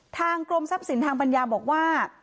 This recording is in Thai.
ทางกรมทรัพย์สินทางปัญญาบอกว่า